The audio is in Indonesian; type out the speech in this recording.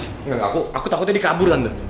engga engga aku takutnya dikabur tanda